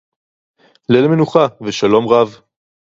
לֵיל מְנוֹחָה וְשָלוֹם רָב